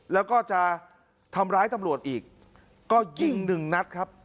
แล้วก็จะทำร้ายตำรวจอีกก็ยิงหนึ่งนัดครับ